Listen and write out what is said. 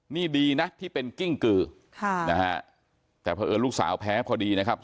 นี่ดีนะที่เป็นกิ้งกือค่ะนะฮะแต่เพราะเอิญลูกสาวแพ้พอดีนะครับ